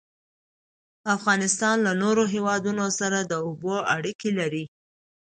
افغانستان له نورو هیوادونو سره د اوبو اړیکې لري.